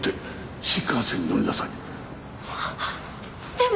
でも。